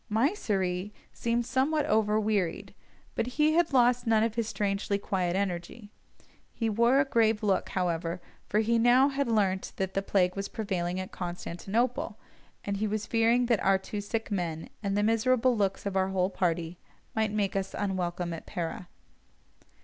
Mysseri seemed somewhat over wearied, but he had lost none of his strangely quiet energy. He wore a grave look, however, for he now had learnt that the plague was prevailing at Constantinople, and he was fearing that our two sick men, and the miserable looks of our whole party, might make us unwelcome at Pera.